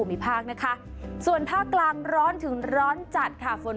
ฮัลโหลฮัลโหลฮัลโหล